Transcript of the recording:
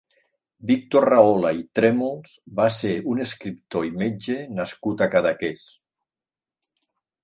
Víctor Rahola i Trèmols va ser un escriptor i metge nascut a Cadaqués.